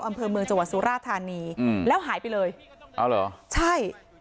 อำเภอเมืองจังหวัดสุราธานีอืมแล้วหายไปเลยเอาเหรอใช่